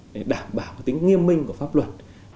để đảm bảo tính nghiêm minh của pháp luật